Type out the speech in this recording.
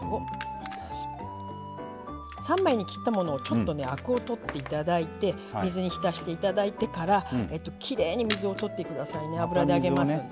３枚に切ったものをちょっとねアクを取っていただいて水に浸していただいてからきれいに水を取ってくださいね油で揚げますので。